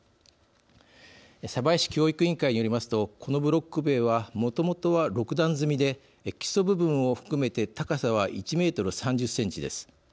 鯖江市教育委員会によりますとこのブロック塀はもともとは６段積みで基礎部分を含めて、高さは１メートル３０センチです。